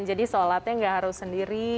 jadi sholatnya nggak harus sendiri